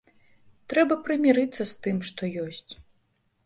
Трэба прымірыцца з тым, што ёсць.